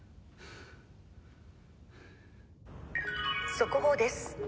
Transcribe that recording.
「速報です」